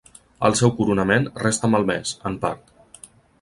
El seu coronament resta malmès, en part.